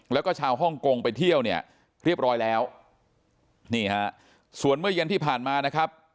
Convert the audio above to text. แล้วก็ชาวฮ่องกงไปเที่ยวเนี่ยเรียบร้อยแล้วนี่ฮะส่วนเมื่อเย็นที่ผ่านมานะครับ